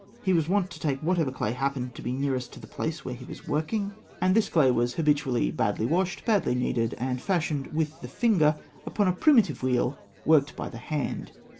He was wont to take whatever clay happened to be nearest to the place where he was working, and this clay was habitually badly washed, badly kneaded, and fashioned with the finger upon a primitive wheel worked by the hand.